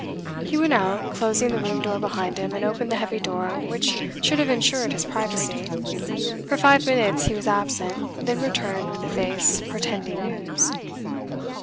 He went out, closing the room door behind him, and opened the heavy door which should have ensured his privacy. For five minutes he was absent, then returned with a face portending news.